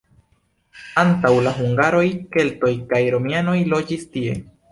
Antaŭ la hungaroj keltoj kaj romianoj loĝis tie.